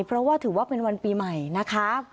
เพราะว่าถือว่าเป็นวันปีใหม่นะคะ